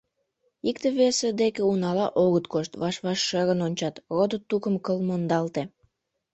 Икте-весе деке унала огыт кошт, ваш-ваш шӧрын ончат, родо-тукым кыл мондалте.